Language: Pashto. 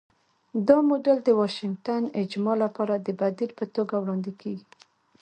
دا موډل د 'واشنګټن اجماع' لپاره د بدیل په توګه وړاندې کېږي.